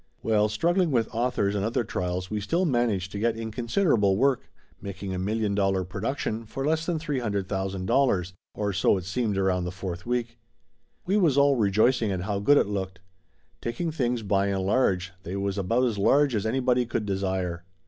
Well, struggling with authors and other trials, we still managed to get in considerable work, making a million dollar production for less than three hundred thousand dollars, or so it seemed around the fourth week. We was all rejoicing at how good it looked. Taking things by and large, they was about as large as anybody could desire.